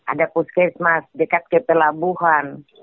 ada puskesmas dekat ke pelabuhan